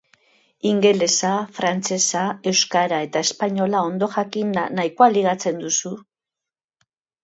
Ingelesa, frantsesa, euskara eta espainola ondo jakinda nahikoa ligatzen duzu?